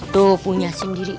tuh punya sendiri